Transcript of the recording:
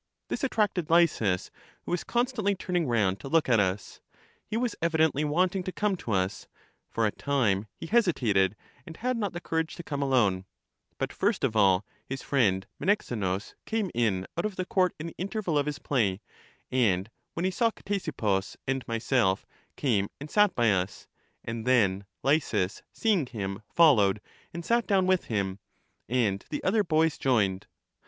This attracted Lysis, who was constantly turning round to look at us — he was evidently wanting to come to us. For a time he hesi tated and had not the courage to come alone ; but first of all, his friend Menexenus came in out of the court in the interval of his play, and when he saw Ctesippus and myself, came and sat by us ; and then Lysis, see ing him, followed, and sat down with him; and the other boys joined.